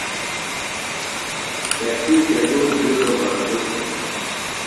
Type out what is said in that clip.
تسی چدُور بِیڈوۡ مظبُط ہِنوۡ۔